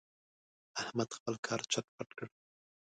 احمد خپل کار چټ پټ کړ.